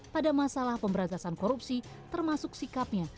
pada masalah pemberantasan korupsi termasuk sikapnya